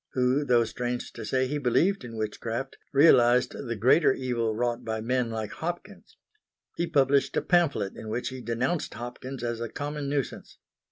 who, though strange to say he believed in witchcraft, realised the greater evil wrought by men like Hopkins. He published a pamphlet in which he denounced Hopkins as a common nuisance.